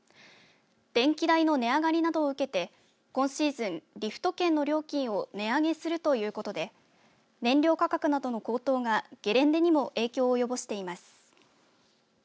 電気代の値上がりなどを受けて今シーズン、リフト券の料金を上げするということで燃料価格などの高騰がゲレンデにも影響を及ぼしています。